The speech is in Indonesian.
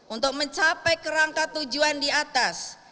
untuk mencapai kerangka tujuan di atas